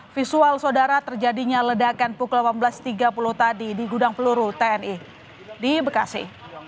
visual saudara terjadinya ledakan pukul delapan belas tiga puluh tadi di gudang peluru tni di bekasi